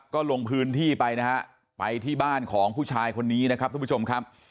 ก็ลงพื้นที่ไปนะฮะไปที่บ้านของผู้ชายคนนี้นะครับทุกผู้ชมครับ